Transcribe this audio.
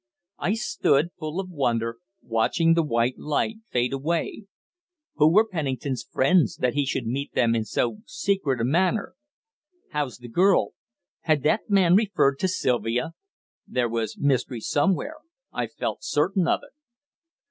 I stood, full of wonder, watching the white light fade away. Who were Pennington's friends, that he should meet them in so secret a manner? "How's the girl?" Had that man referred to Sylvia? There was mystery somewhere. I felt certain of it.